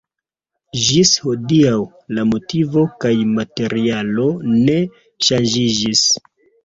Ĝis hodiaŭ la motivo kaj materialo ne ŝanĝiĝis.